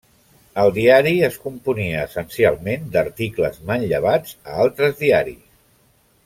El diari es componia essencialment d'articles manllevats a altres diaris.